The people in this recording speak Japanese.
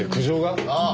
ああ。